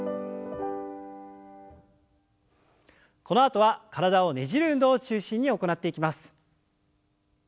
このあとは体をねじる運動を中心に行っていきます。